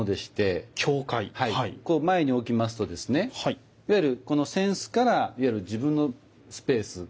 こう前に置きますとですねいわゆる扇子から自分のスペース。